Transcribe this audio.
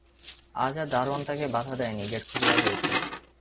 আজ আর দারোয়ন তাঁকে বাধা দেয় নি, গেট খুলে দিয়েছে।